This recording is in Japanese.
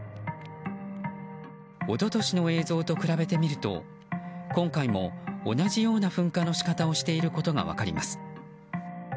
一昨年の映像と比べてみると今回も同じような噴火の仕方をしていることが分かります。